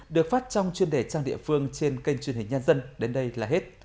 được phát trong chuyên đề trang địa phương trên kênh chương trình nhân dân đến đây là hết